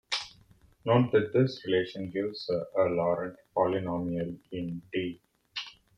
Note that this relation gives a Laurent polynomial in "t".